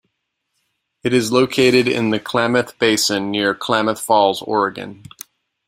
It is located in the Klamath Basin near Klamath Falls, Oregon.